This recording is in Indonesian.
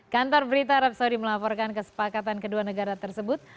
kantor berita arab saudi melaporkan kesepakatan kedua negara tersebut